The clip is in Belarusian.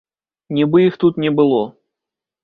Нібы іх тут не было.